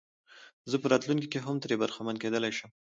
زه په راتلونکي کې هم ترې برخمن کېدلای شم.